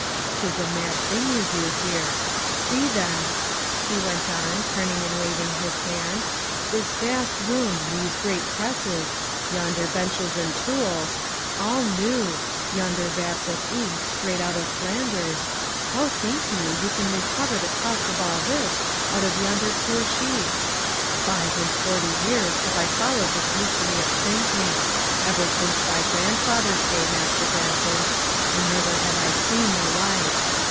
'Tis a mad thing you do here. See then," he went on, turning and waving his hand, "this vast room, these great presses, yonder benches and tools, all new, yonder vats of ink straight out of Flanders, how think you you can recover the cost of all this out of yonder poor sheets? Five and forty years have I followed this mystery of printing, ever since thy grandfather's day, Master Brenton, and never have I seen the like.